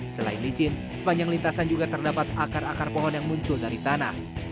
selain licin sepanjang lintasan juga terdapat akar akar pohon yang muncul dari tanah